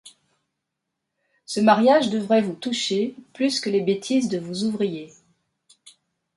Ce mariage devrait vous toucher plus que les bêtises de vos ouvriers...